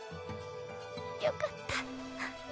よかった。